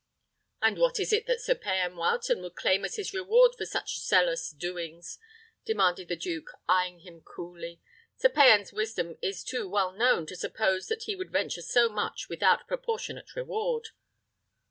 "And what is it that Sir Payan Wileton would claim as his reward for such zealous doings?" demanded the duke, eyeing him coolly. "Sir Payan's wisdom is too well known to suppose that he would venture so much without proportionate reward."